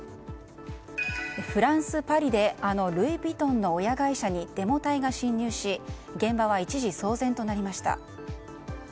フランス・パリであのルイ・ヴィトンの親会社にデモ隊が侵入し現場は一時騒然となりました。